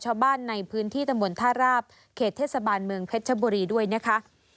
ชาวบ้านในพื้นที่ตำบลท่าราบเขตเทศบาลเมืองเพชรชบุรีด้วยนะคะ